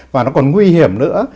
và nó còn nguy hiểm nữa